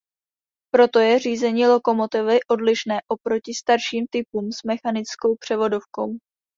Proto je řízení lokomotivy odlišné oproti starším typům s mechanickou převodovkou.